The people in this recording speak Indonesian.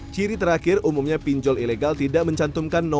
ciri terakhir umumnya pinjol ilegal tidak mencantumkan penjualan pinjaman